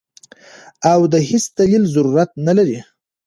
او د هېڅ دليل ضرورت نۀ لري -